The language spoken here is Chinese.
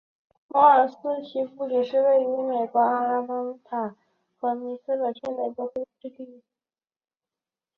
摩尔斯布里奇是位于美国阿拉巴马州塔斯卡卢萨县的一个非建制地区。